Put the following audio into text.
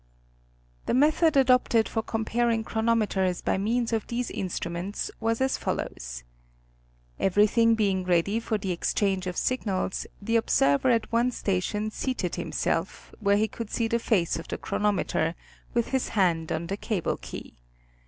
The method adopted for comparing chronometers by means of these instruments was as follows :—Everything being ready tor the exchange of signals, the observer at one station seated him self, where he could see the face of the chronometer, with his hand on the cable key.